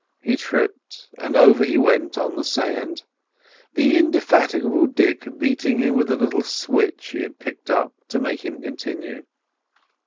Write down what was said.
He tripped, and over he went on the sand, the indefatigable Dick beating him with a little switch he had picked up to make him continue.